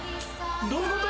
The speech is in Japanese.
どういうこと？